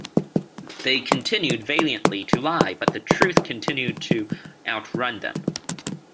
They continued valiantly to lie, but the truth continued to outrun them.